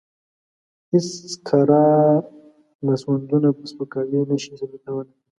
هېڅ کره لاسوندونه په سپکاوي نشي ثابتولی.